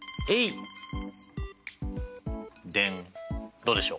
どうでしょう？